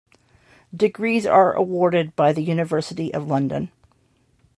Degrees are awarded by the University of London.